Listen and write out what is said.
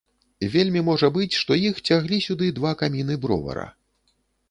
Вельмі можа быць, што іх цяглі сюды два каміны бровара.